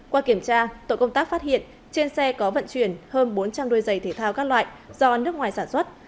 qua kiểm tra tội công tác phát hiện trên xe có vận chuyển hơn bốn trăm linh đôi giày thể thao các loại do nước ngoài sản xuất